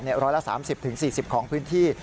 จะเตะ๑๓๐๔๐ของพื้นที่